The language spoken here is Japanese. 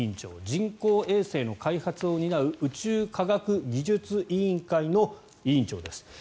人工衛星の開発を担う宇宙科学技術委員会の委員長です。